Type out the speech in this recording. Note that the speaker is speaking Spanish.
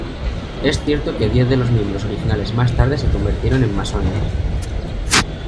Es cierto que diez de los miembros originales más tarde se convirtieron en masones.